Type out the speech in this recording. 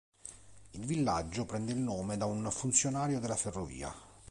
Il villaggio prende il nome da un funzionario della ferrovia.